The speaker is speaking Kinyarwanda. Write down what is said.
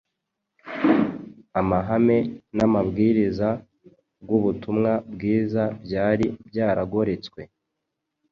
Amahame n’amabwiriza bw’ubutumwa bwiza byari byaragoretswe.